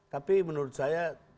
tapi menurut saya